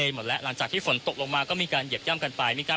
หมดแล้วหลังจากที่ฝนตกลงมาก็มีการเหยียบย่ำกันไปมีการ